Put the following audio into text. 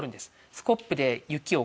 スコップで雪を